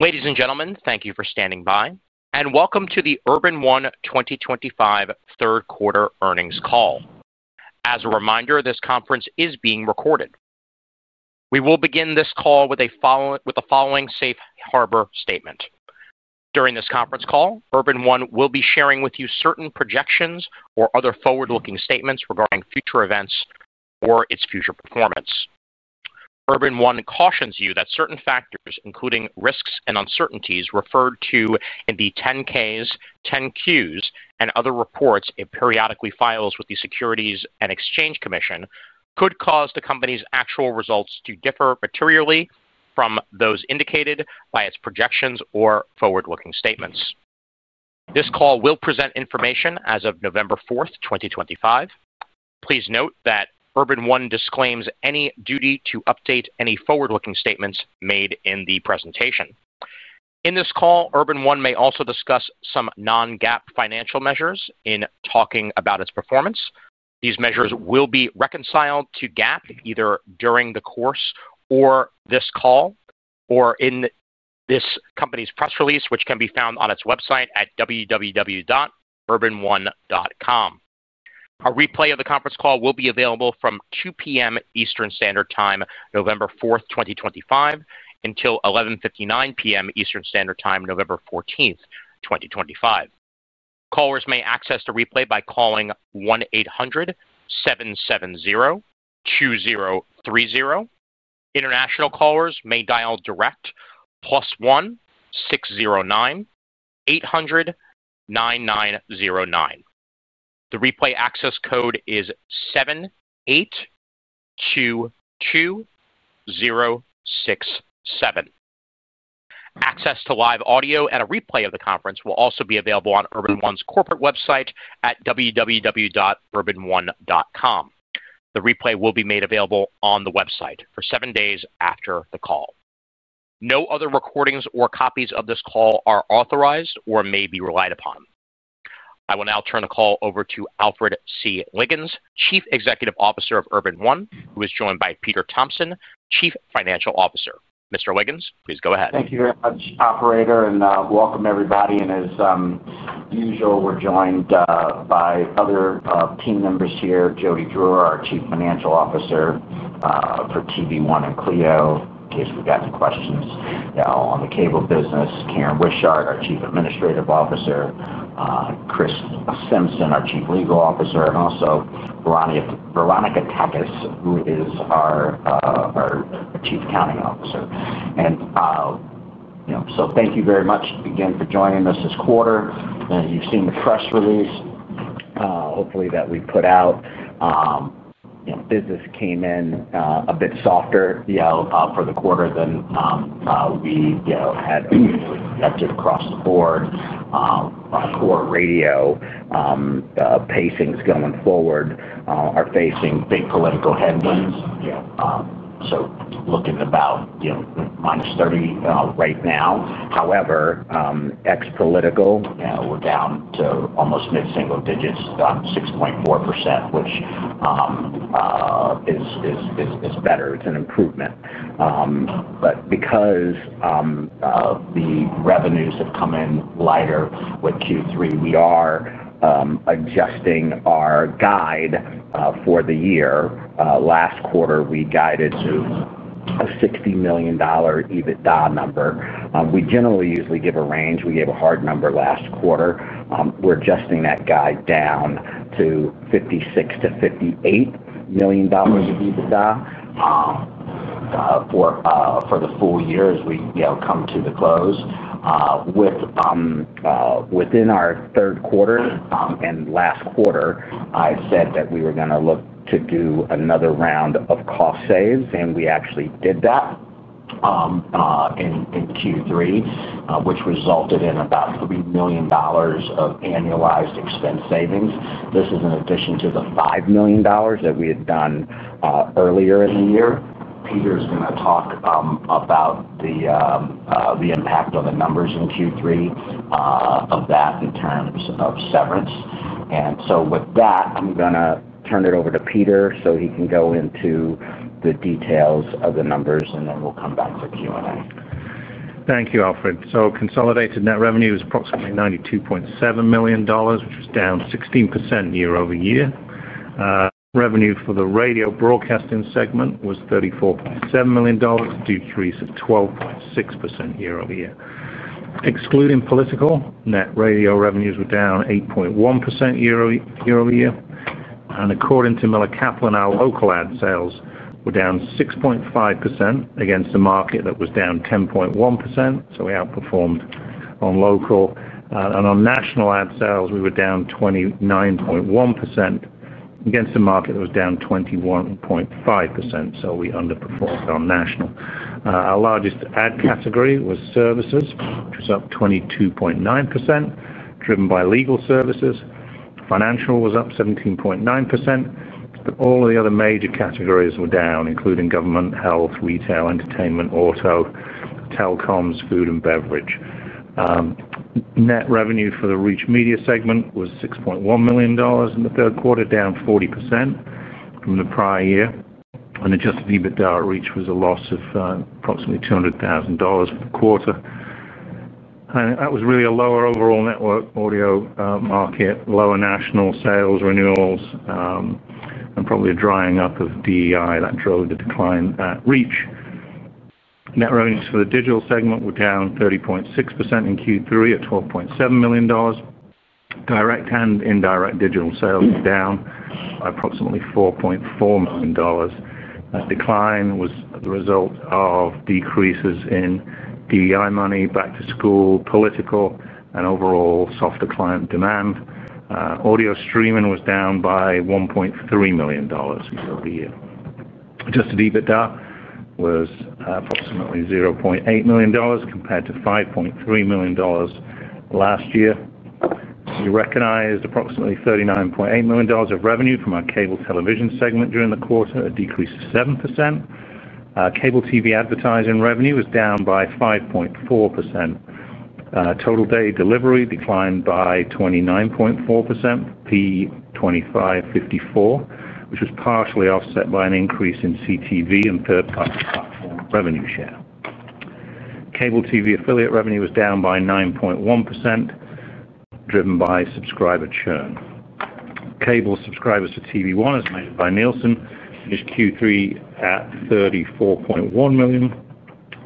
Ladies and gentlemen, thank you for standing by, and welcome to the Urban One 2025 third quarter earnings call. As a reminder, this conference is being recorded. We will begin this call with the following safe harbor statement. During this conference call, Urban One will be sharing with you certain projections or other forward-looking statements regarding future events or its future performance. Urban One cautions you that certain factors, including risks and uncertainties, referred to in the 10-Ks, 10-Qs, and other reports it periodically files with the Securities and Exchange Commission, could cause the company's actual results to differ materially from those indicated by its projections or forward-looking statements. This call will present information as of November 4th, 2025. Please note that Urban One disclaims any duty to update any forward-looking statements made in the presentation. In this call, Urban One may also discuss some non-GAAP financial measures in talking about its performance. These measures will be reconciled to GAAP either during the course of this call or in this company's press release, which can be found on its website at www.urbanone.com. A replay of the conference call will be available from 2:00 P.M. Eastern Standard Time, November 4th, 2025, until 11:59 P.M. Eastern Standard Time, November 14th, 2025. Callers may access the replay by calling 1-800-770-2030. International callers may dial direct, +1-609-800-9909. The replay access code is 78-22067. Access to live audio and a replay of the conference will also be available on Urban One's corporate website at www.urbanone.com. The replay will be made available on the website for seven days after the call. No other recordings or copies of this call are authorized or may be relied upon. I will now turn the call over to Alfred Liggins, Chief Executive Officer of Urban One, who is joined by Peter Thompson, Chief Financial Officer. Mr. Liggins, please go ahead. Thank you very much, Operator, and welcome everybody. And as usual, we're joined by other team members here: Jody Drewer, our Chief Financial Officer for TV One and CLEO, in case we've got any questions on the cable business, Karen Wishart, our Chief Administrative Officer, Chris Simpson, our Chief Legal Officer, and also Veronica Tekes, who is our Chief Accounting Officer. And so thank you very much again for joining us this quarter. You've seen the press release. Hopefully, that we put out. Business came in a bit softer for the quarter than we had expected across the board. Our core radio pacings going forward are facing big political headwinds. So looking about -30% right now. However, ex-political, we're down to almost mid-single digits, about 6.4%, which is better. It's an improvement. But because the revenues have come in lighter with Q3, we are adjusting our guide for the year. Last quarter, we guided to a $60 million EBITDA number. We generally usually give a range. We gave a hard number last quarter. We're adjusting that guide down to $56 million-$58 million EBITDA for the full year as we come to the close. Within our third quarter and last quarter, I said that we were going to look to do another round of cost saves, and we actually did that. In Q3, which resulted in about $3 million of annualized expense savings. This is in addition to the $5 million that we had done earlier in the year. Peter's going to talk about the impact on the numbers in Q3 of that in terms of severance. And so with that, I'm going to turn it over to Peter so he can go into the details of the numbers, and then we'll come back to Q&A. Thank you, Alfred. So consolidated net revenue is approximately $92.7 million, which is down 16% year-over-year. Revenue for the radio broadcasting segment was $34.7 million due to 12.6% year-over-year. Excluding political, net radio revenues were down 8.1% year-over-year, and according to Miller Kaplan, our local ad sales were down 6.5% against a market that was down 10.1%. So we outperformed on local, and on national ad sales, we were down 29.1% against a market that was down 21.5%. So we underperformed on national. Our largest ad category was services, which was up 22.9%, driven by legal services. Financial was up 17.9%. But all of the other major categories were down, including government, health, retail, entertainment, auto, telecoms, food, and beverage. Net revenue for the REACH Media segment was $6.1 million in the third quarter, down 40% from the prior year, and Adjusted EBITDA REACH was a loss of approximately $200,000 for the quarter. And that was really a lower overall network audio market, lower national sales renewals, and probably a drying up of DEI that drove the decline at REACH. Net revenues for the digital segment were down 30.6% in Q3 at $12.7 million. Direct and indirect digital sales were down by approximately $4.4 million. That decline was the result of decreases in DEI money, back-to-school, political, and overall soft decline of demand. Audio streaming was down by $1.3 million year-over-year. Adjusted EBITDA was approximately $0.8 million compared to $5.3 million last year. We recognized approximately $39.8 million of revenue from our cable television segment during the quarter, a decrease of 7%. Cable TV advertising revenue was down by 5.4%. Total daily delivery declined by 29.4% P2554, which was partially offset by an increase in CTV and third-party platform revenue share. Cable TV affiliate revenue was down by 9.1%, driven by subscriber churn. Cable subscribers to TV One as measured by Nielsen finished Q3 at 34.1 million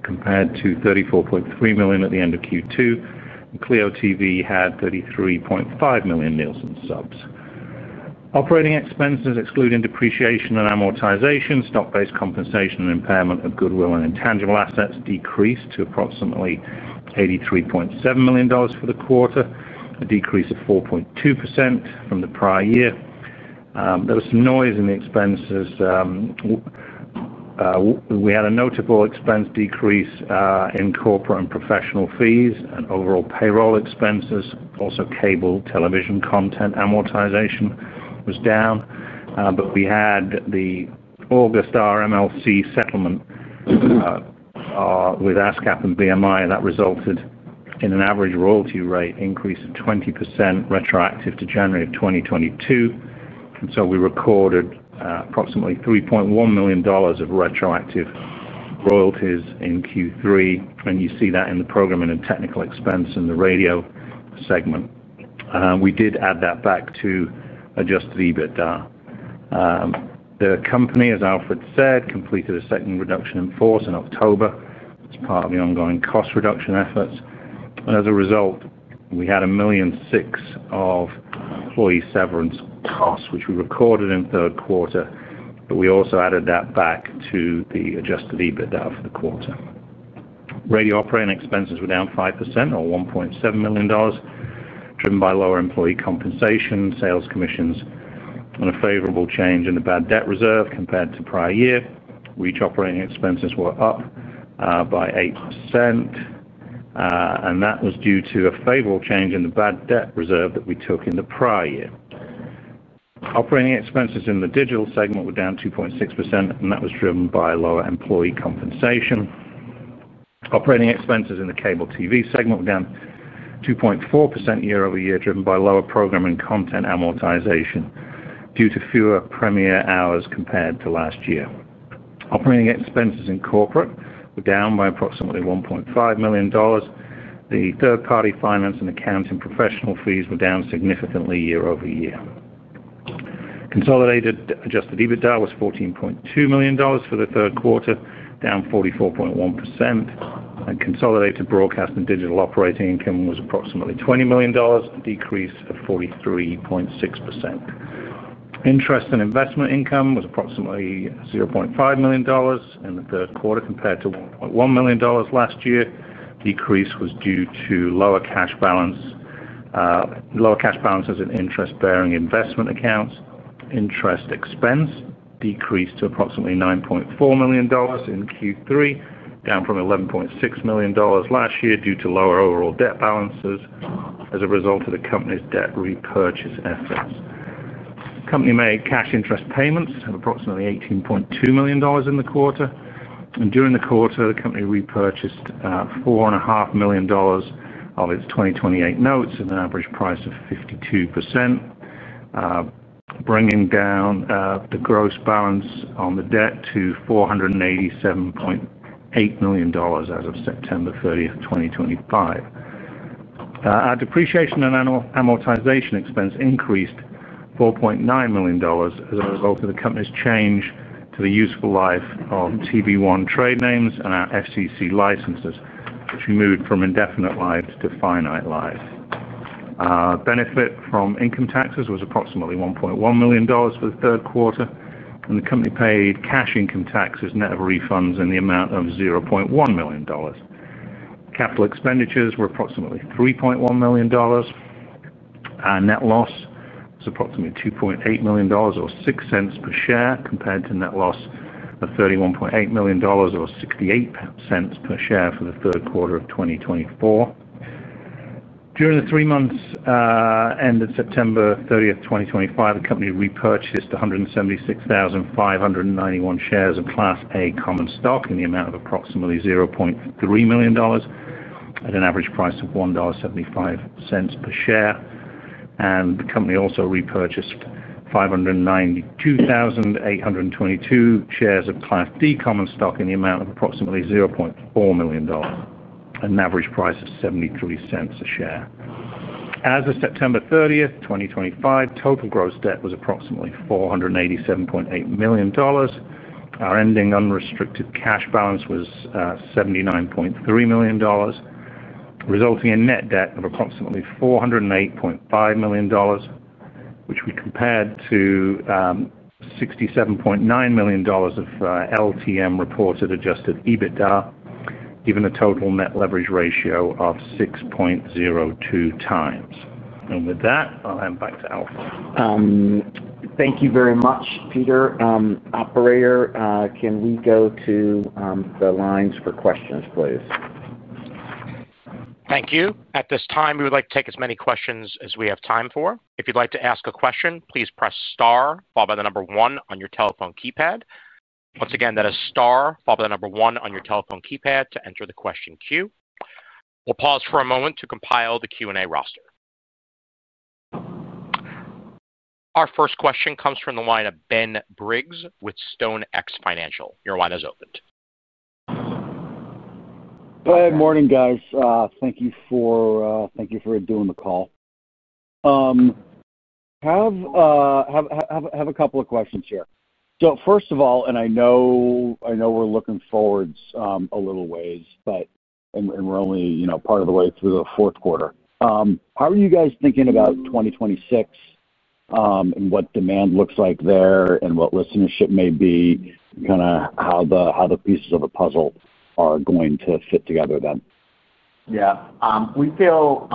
compared to 34.3 million at the end of Q2. CLEO TV had 33.5 million Nielsen subs. Operating expenses, excluding depreciation and amortization, stock-based compensation and impairment of goodwill and intangible assets decreased to approximately $83.7 million for the quarter, a decrease of 4.2% from the prior year. There was some noise in the expenses. We had a notable expense decrease in corporate and professional fees and overall payroll expenses. Also, cable television content amortization was down, but we had the August RMLC settlement with ASCAP and BMI, and that resulted in an average royalty rate increase of 20% retroactive to January of 2022. And so we recorded approximately $3.1 million of retroactive royalties in Q3. And you see that in the programming and technical expense in the radio segment. We did add that back to Adjusted EBITDA. The company, as Alfred said, completed a second reduction in force in October. It's part of the ongoing cost reduction efforts. As a result, we had $1.6 million of employee severance costs, which we recorded in third quarter, but we also added that back to the adjusted EBITDA for the quarter. Radio operating expenses were down 5%, or $1.7 million, driven by lower employee compensation, sales commissions, and a favorable change in the bad debt reserve compared to the prior year. REACH operating expenses were up by 8%. And that was due to a favorable change in the bad debt reserve that we took in the prior year. Operating expenses in the digital segment were down 2.6%, and that was driven by lower employee compensation. Operating expenses in the cable TV segment were down 2.4% year-over-year, driven by lower programming content amortization due to fewer premier hours compared to last year. Operating expenses in corporate were down by approximately $1.5 million. The third-party finance and accounting professional fees were down significantly year-over-year. Consolidated adjusted EBITDA was $14.2 million for the third quarter, down 44.1%. And consolidated broadcast and digital operating income was approximately $20 million, a decrease of 43.6%. Interest and investment income was approximately $0.5 million in the third quarter compared to $1.1 million last year. The decrease was due to lower cash balances, interest-bearing investment accounts. Interest expense decreased to approximately $9.4 million in Q3, down from $11.6 million last year due to lower overall debt balances as a result of the company's debt repurchase efforts. Company made cash interest payments of approximately $18.2 million in the quarter. And during the quarter, the company repurchased $4.5 million of its 2028 notes at an average price of 52%, bringing down the gross balance on the debt to $487.8 million as of September 30, 2025. Our depreciation and amortization expense increased $4.9 million as a result of the company's change to the useful life of TV One trade names and our FCC licenses, which we moved from indefinite life to finite life. Benefit from income taxes was approximately $1.1 million for the third quarter. And the company paid cash income taxes, net of refunds, in the amount of $0.1 million. Capital expenditures were approximately $3.1 million. Our net loss was approximately $2.8 million, or 6 cents per share, compared to net loss of $31.8 million, or 68 cents per share for the third quarter of 2024. During the three months ended September 30, 2025, the company repurchased 176,591 shares of Class A common stock in the amount of approximately $0.3 million at an average price of $1.75 per share. And the company also repurchased 592,822 shares of Class D common stock in the amount of approximately $0.4 million at an average price of $0.73 a share. As of September 30, 2025, total gross debt was approximately $487.8 million. Our ending unrestricted cash balance was $79.3 million, resulting in net debt of approximately $408.5 million, which we compared to $67.9 million of LTM reported adjusted EBITDA, giving a total net leverage ratio of 6.02 times. With that, I'll hand back to Alfred. Thank you very much, Peter. Operator, can we go to the lines for questions, please? Thank you. At this time, we would like to take as many questions as we have time for. If you'd like to ask a question, please press star followed by the number one on your telephone keypad. Once again, that is star followed by the number one on your telephone keypad to enter the question queue. We'll pause for a moment to compile the Q&A roster. Our first question comes from the line of Ben Briggs with StoneX Financial. Your line is open. Good morning, guys. Thank you for doing the call. I have a couple of questions here. So first of all, and I know we're looking forward a little ways, and we're only part of the way through the fourth quarter. How are you guys thinking about 2026? And what demand looks like there and what listenership may be, kind of how the pieces of the puzzle are going to fit together then? Yeah. We feel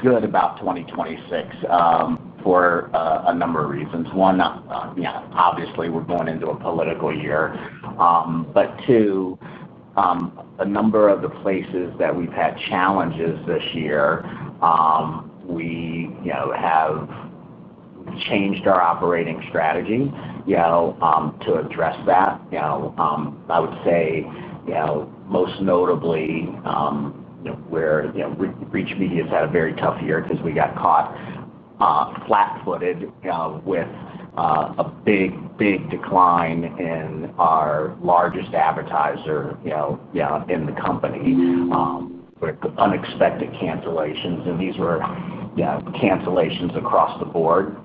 good about 2026 for a number of reasons. One, obviously, we're going into a political year. But, two, a number of the places that we've had challenges this year, we have changed our operating strategy to address that. I would say most notably where REACH Media has had a very tough year because we got caught flat-footed with a big, big decline in our largest advertiser in the company with unexpected cancellations. And these were cancellations across the board.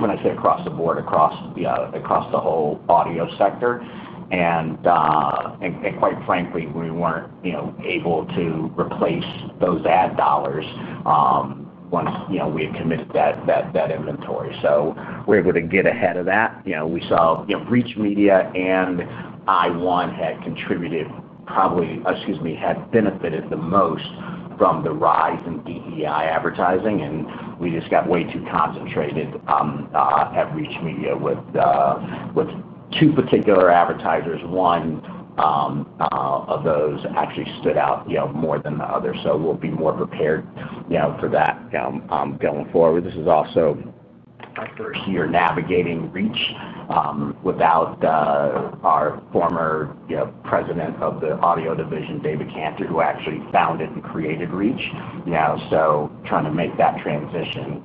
When I say across the board, across the whole audio sector. And, quite frankly, we weren't able to replace those ad dollars once we had committed that inventory. So we're able to get ahead of that. We saw REACH Media and iOne had contributed probably, excuse me, had benefited the most from the rise in DEI advertising. And we just got way too concentrated at REACH Media with two particular advertisers. One of those actually stood out more than the other. So we'll be more prepared for that going forward. This is also our first year navigating REACH without our former President of the audio division, David Cantor, who actually founded and created REACH. So trying to make that transition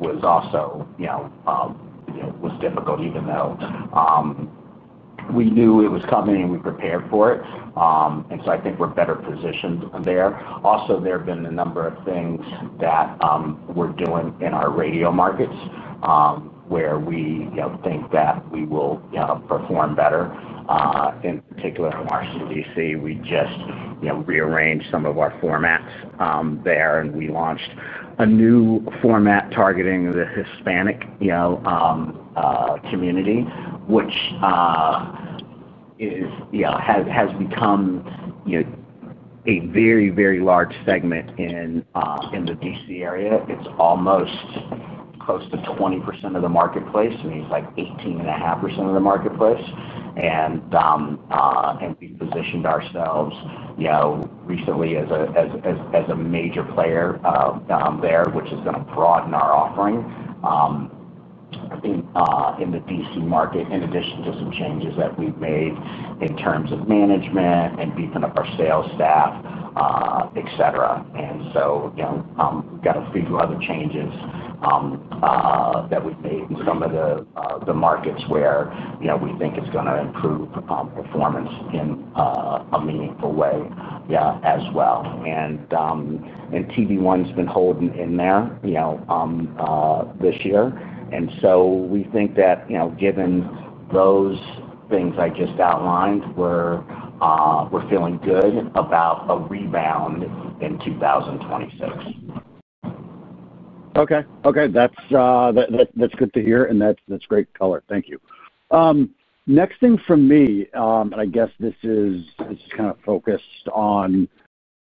was also difficult, even though we knew it was coming and we prepared for it. And so I think we're better positioned there. Also, there have been a number of things that we're doing in our radio markets where we think that we will perform better. In particular, from our DC, we just rearranged some of our formats there. And we launched a new format targeting the Hispanic community, which has become a very, very large segment in the DC area. It's almost close to 20% of the marketplace. I mean, it's like 18.5% of the marketplace. And we've positioned ourselves recently as a major player there, which is going to broaden our offering in the DC market, in addition to some changes that we've made in terms of management and beefing up our sales staff, etc. And so we've got a few other changes that we've made in some of the markets where we think it's going to improve performance in a meaningful way as well. And TV One's been holding in there this year. And so we think that given those things I just outlined, we're feeling good about a rebound in 2026. Okay. Okay. That's good to hear. And that's great color. Thank you. Next thing for me, and I guess this is kind of focused on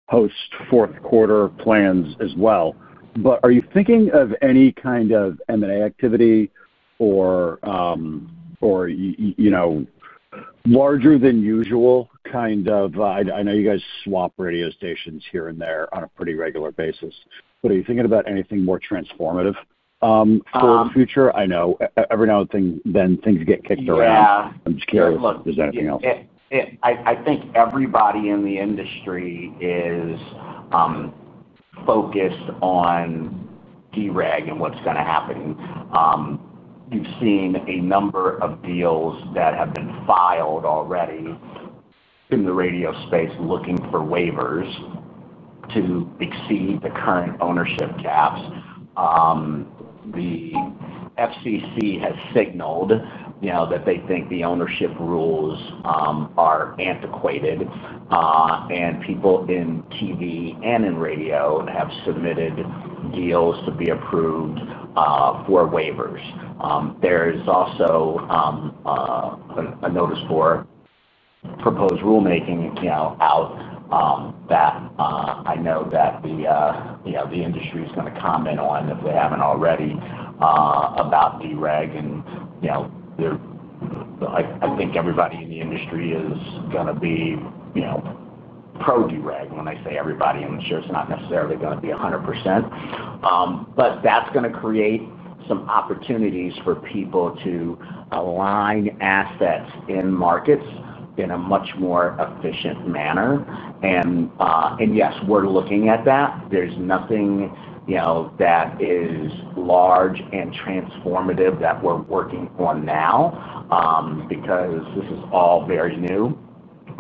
post-fourth quarter plans as well. But are you thinking of any kind of M&A activity or larger-than-usual kind of, I know you guys swap radio stations here and there on a pretty regular basis. But are you thinking about anything more transformative for the future? I know every now and then things get kicked around. I'm just curious. Is there anything else? Yeah. I think everybody in the industry is focused on dereg and what's going to happen. You've seen a number of deals that have been filed already in the radio space looking for waivers to exceed the current ownership caps. The FCC has signaled that they think the ownership rules are antiquated, and people in TV and in radio have submitted deals to be approved for waivers. There is also a notice of proposed rulemaking out that I know that the industry is going to comment on if they haven't already about dereg. And I think everybody in the industry is going to be pro-dereg. And when I say everybody, I'm sure it's not necessarily going to be 100%. But that's going to create some opportunities for people to align assets in markets in a much more efficient manner. And yes, we're looking at that. There's nothing that is large and transformative that we're working on now because this is all very new.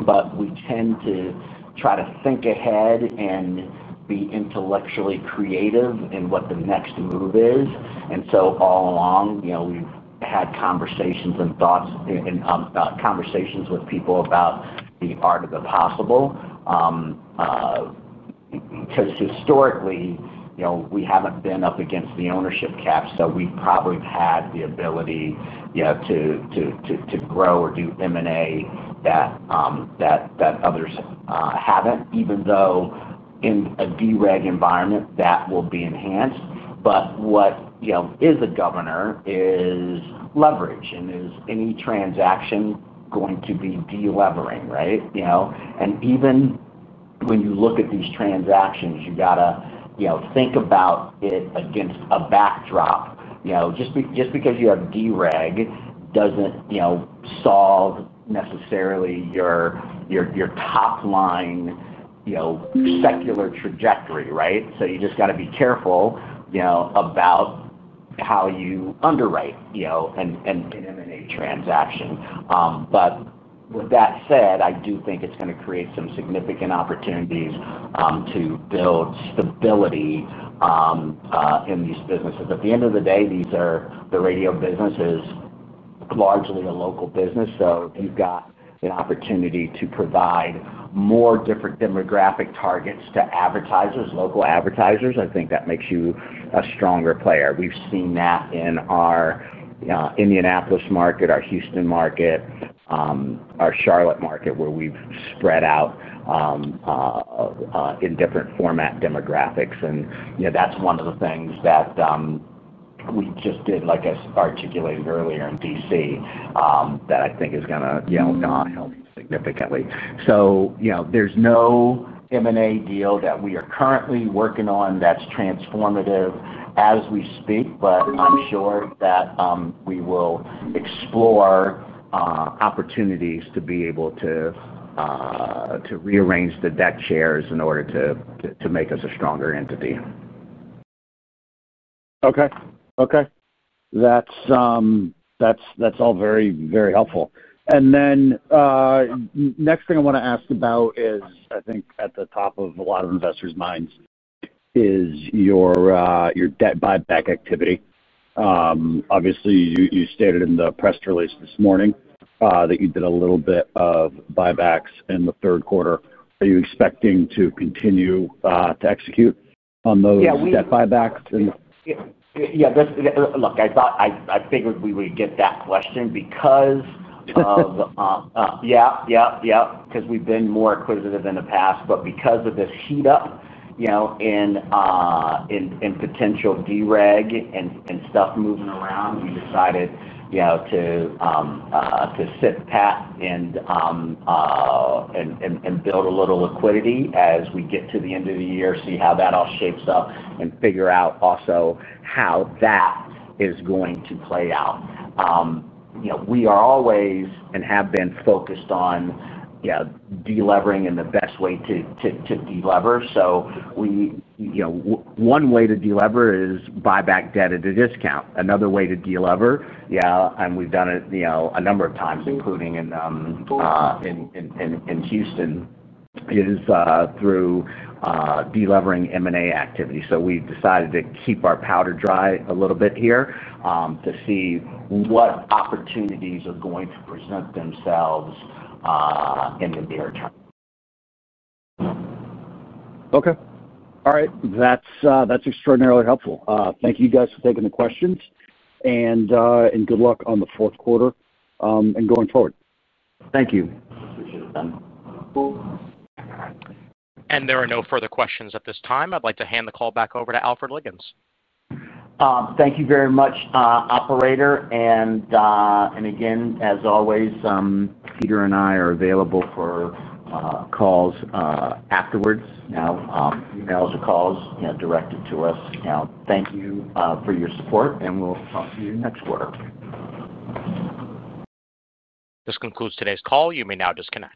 But we tend to try to think ahead and be intellectually creative in what the next move is. And so all along, we've had conversations and thoughts with people about the art of the possible because historically, we haven't been up against the ownership cap. So we probably have had the ability to grow or do M&A that others haven't, even though in a dereg environment, that will be enhanced. But what is a governor is leverage, and is any transaction going to be delivering, right? And even when you look at these transactions, you got to think about it against a backdrop. Just because you have dereg doesn't solve necessarily your top-line secular trajectory, right? So you just got to be careful about how you underwrite and an M&A transaction. But with that said, I do think it's going to create some significant opportunities to build stability in these businesses. At the end of the day, the radio business is largely a local business. So if you've got an opportunity to provide more different demographic targets to advertisers, local advertisers, I think that makes you a stronger player. We've seen that in our Indianapolis market, our Houston market, our Charlotte market, where we've spread out in different format demographics. And that's one of the things that we just did, like I articulated earlier, in DC, that I think is going to help significantly. So there's no M&A deal that we are currently working on that's transformative as we speak. But I'm sure that we will explore opportunities to be able to rearrange the demo shares in order to make us a stronger entity. Okay. Okay. That's all very, very helpful. And then the next thing I want to ask about is, I think at the top of a lot of investors' minds, is your debt buyback activity. Obviously, you stated in the press release this morning that you did a little bit of buybacks in the third quarter. Are you expecting to continue to execute on those debt buybacks? Yeah. Look, I figured we would get that question because of yeah, yeah, yeah, because we've been more acquisitive in the past. But because of this heat up in potential dereg and stuff moving around, we decided to sit pat and build a little liquidity as we get to the end of the year, see how that all shapes up, and figure out also how that is going to play out. We are always and have been focused on delivering and the best way to deliver. So one way to deliver is buyback debt at a discount. Another way to deliver, yeah, and we've done it a number of times, including in Houston, is through delivering M&A activity. So we've decided to keep our powder dry a little bit here to see what opportunities are going to present themselves in the near term. Okay. All right. That's extraordinarily helpful. Thank you guys for taking the questions, and good luck on the fourth quarter and going forward. Thank you. Appreciate it, Ben. There are no further questions at this time. I'd like to hand the call back over to Alfred Liggins. Thank you very much, Operator. And again, as always, Peter and I are available for calls afterwards. Emails or calls directed to us. Thank you for your support, and we'll talk to you next quarter. This concludes today's call. You may now disconnect.